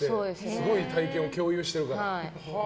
すごい体験を共有してるから。